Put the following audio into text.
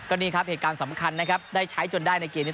ก็นี่ครับเหตุการณ์สำคัญได้ใช้จนได้ในเกม